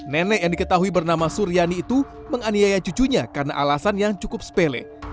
nenek yang diketahui bernama suryani itu menganiaya cucunya karena alasan yang cukup sepele